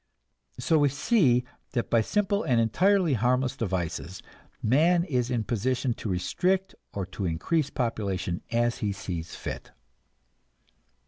So we see that by simple and entirely harmless devices man is in position to restrict or to increase population as he sees fit.